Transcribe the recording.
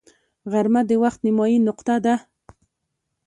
غرمه د وخت نیمايي نقطه ده